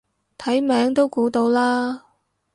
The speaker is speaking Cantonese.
睇名都估到啦